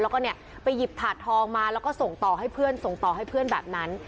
แล้วก็เนี่ยไปหยิบถาดทองมาแล้วก็ส่งต่อให้เพื่อนส่งต่อให้เพื่อนแบบนั้น